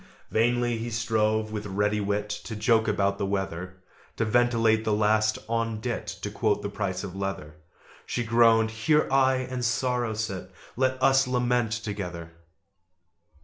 Vainly he strove, with ready wit, To joke about the weather To ventilate the last 'on dit' To quote the price of leather She groaned "Here I and Sorrow sit: Let us lament together!"